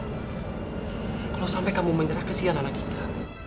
kalau sampai kamu menyerah kesian anak kita